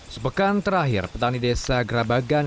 sepekan terakhir petani desa gerabagan